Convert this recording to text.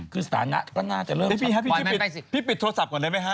คือสานะก็น่าจะเริ่มปล่อยมันไปสิพี่พี่ปิดโทรศัพท์ก่อนได้ไหมฮะ